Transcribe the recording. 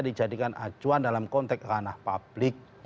dijadikan acuan dalam konteks ranah publik